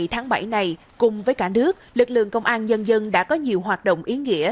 từ những ngày tháng bảy này cùng với cả nước lực lượng công an dân dân đã có nhiều hoạt động ý nghĩa